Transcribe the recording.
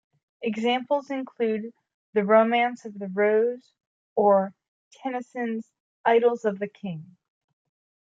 Examples include the "Romance of the Rose" or Tennyson's "Idylls of the King".